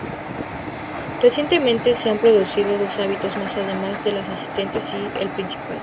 Recientemente se han introducido dos árbitros más además de los asistentes y el principal.